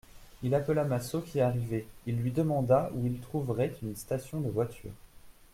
Il appela Massot qui arrivait, il lui demanda où il trouverait une station de voitures.